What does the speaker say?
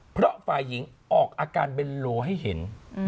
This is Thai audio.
เพราะฝ่ายหญิงออกอาการเบนโลให้เห็น